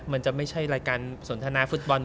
มันจะไม่ใช่รายการสนทนาฟุตบอล